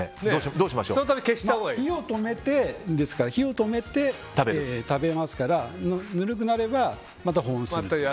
火を止めて食べますからぬるくなれば、また保温すると。